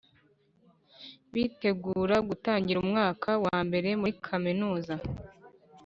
bitegura gutangira umwaka wa mbere muri Kaminuza